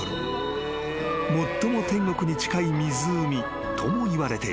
［最も天国に近い湖ともいわれている］